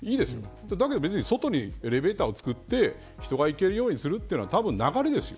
だけど別に外にエレベーターを作って人が行けるようにするのは流れですよ。